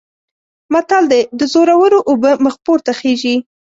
متل دی: د زورو اوبه مخ پورته خیژي.